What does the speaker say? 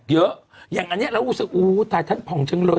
เยอะอย่างอันนี้เรารู้สึกอู๋ทายทัศน์ทัทศน์พรรณจังเลย